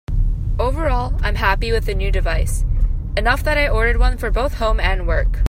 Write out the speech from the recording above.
Overall I'm happy with the new device, enough that I ordered one for both home and work.